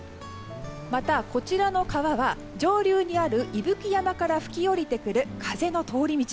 またこちらの川は上流にある伊吹山から吹き降りてくる風の通り道。